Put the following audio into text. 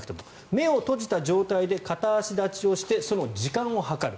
目を閉じた状態で片足立ちをしてその時間を計る。